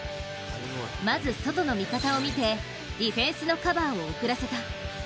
まず、外の味方を見てディフェンスのカバーを遅らせた。